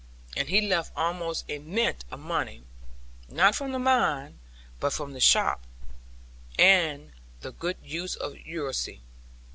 And he left almost a mint of money, not from the mine, but from the shop, and the good use of usury.